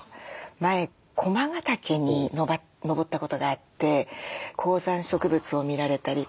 前駒ヶ岳に登ったことがあって高山植物を見られたり。